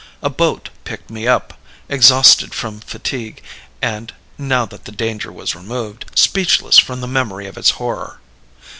A boat picked me up exhausted from fatigue, and (now that the danger was removed) speechless from the memory of its horror.